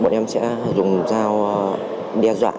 bọn em sẽ dùng dao đe dọa